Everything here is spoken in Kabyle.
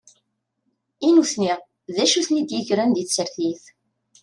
I nutni, d acu i ten-id-igren di tessirt?